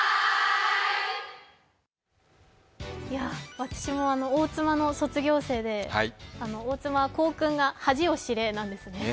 私も大妻の卒業生で、大妻中野の校訓が恥を知れなんですね。